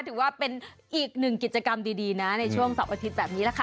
ถือว่าเป็นอีกหนึ่งกิจกรรมดีนะในช่วงเสาร์อาทิตย์แบบนี้แหละค่ะ